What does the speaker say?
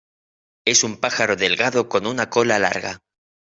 Es un pájaro delgado con una cola larga.